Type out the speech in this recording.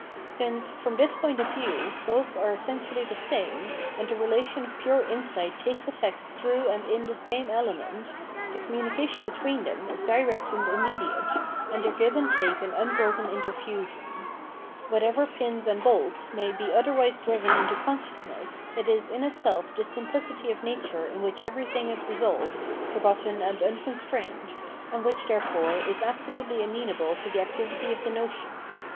Since, from this point of view, both are essentially the same, and the relation of pure insight takes efiect through and in the same element, the communication between them is direct and immediate, and their give and take an unbroken interfusion. Whatever pins and bolts may be otherwise driven into consciousness, it is in itself this simplicity of nature in which everything is resolved, forgotten and unconstrained, and which, therefore, is absolutely amenable to the activity of the notion.